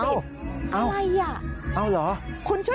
อะไรอ่ะคุณช่วยแปลความเมื่อกี้ให้ฟังหน่อยสิมันคืออะไรอ่ะ